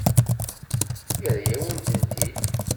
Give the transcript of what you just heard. Yerra-yawen-tent-id.